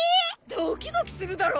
ドキドキするだろ？